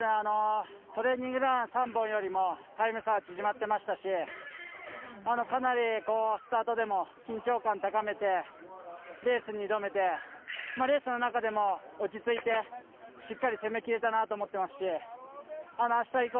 トレーニングラン３本よりもタイム差は縮まっていましたしかなり、スタートでも緊張感を高めてレースに挑めて、レースの中でも落ち着いてしっかり攻めきれたと思っていますしあした